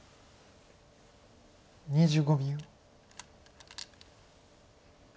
２５秒。